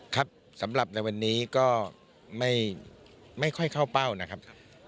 ครับสำหรับในวันนี้ก็ไม่ค่อยเข้าเป้านะครับ